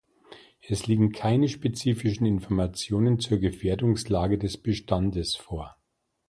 Es liegen keine spezifischen Informationen zur Gefährdungslage des Bestandes vor.